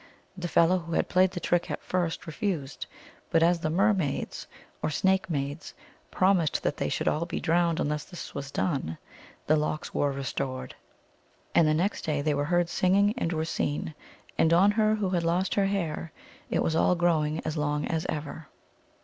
The fellow who had played the trick at first refused, but as the mermaids, or snake maids, promised that they should all be drowned unless this was done, the locks were restored. And the next day they were heard singing and were seen, and on her who had lost her hair it was all growing as long as ever.